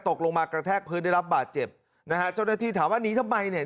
ตกลงมากระแทกพื้นได้รับบาดเจ็บนะฮะเจ้าหน้าที่ถามว่าหนีทำไมเนี่ย